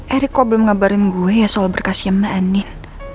erik kok belum ngabarin gue ya soal berkas yang mainin